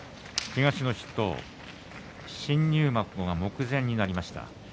東の筆頭新入幕が目前になりました。